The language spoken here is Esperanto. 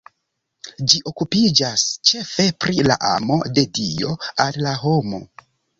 Ĝi okupiĝas ĉefe pri la amo de Dio al la homo.